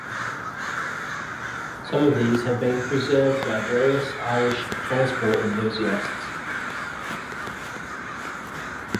Some of these have been preserved by various Irish transport enthusiasts.